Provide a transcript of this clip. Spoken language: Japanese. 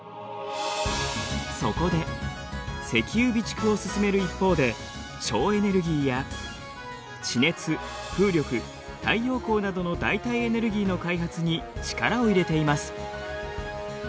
そこで石油備蓄を進める一方で省エネルギーや地熱風力太陽光などの代替エネルギーの開発に力を入れています。